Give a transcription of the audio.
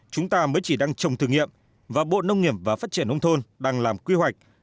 chúng ta mới chỉ đang trồng thử nghiệm và bộ nông nghiệp và phát triển nông thôn đang làm quy hoạch